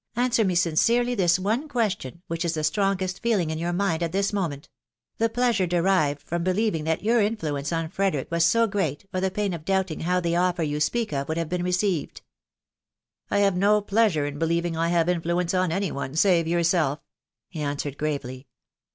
answer me sincerely this one question, which is the strongest feeling in your mind at this moment — the pleasure derived from believing that your influence on Frederick was so great, or the pain of doubting how the offer you speak of would have been f eceived ?"" 1 have no pleasure in believing 1 have influence on any one, save yourself," he answered gravely.